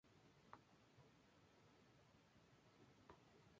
Muchas veces se incluyen a estas economías como tipos de socialismo de mercado.